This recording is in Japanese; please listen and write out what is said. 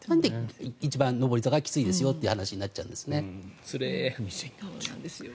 一番上り坂がきついですよという話になっちゃうんです。